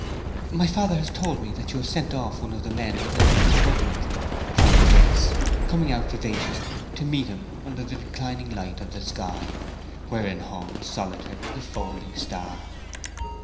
"My father has told me that you have sent off one of the men with a late letter to Budmouth," cried Grace, coming out vivaciously to meet him under the declining light of the sky, wherein hung, solitary, the folding star.